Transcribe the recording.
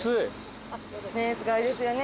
ねえすごいですよね。